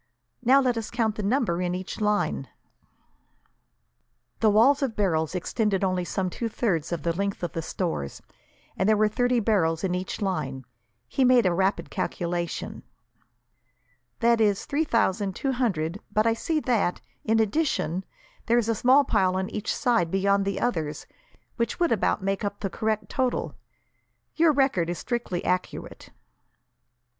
"Now, let us count the number in each line." The wall of barrels extended only some two thirds of the length of the stores, and there were thirty barrels in each line. He made a rapid calculation. "That is three thousand two hundred, but I see that, in addition, there is a small pile on each side, beyond the others, which would about make up the correct total. Your record is strictly accurate."